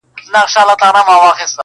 چي ته ډنګر یې که خېټور یې٫